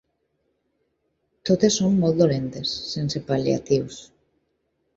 Totes són molt dolentes, sense pal·liatius.